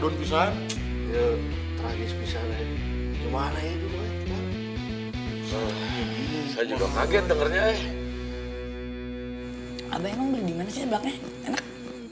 abah emang beli gimana sih sebabnya enak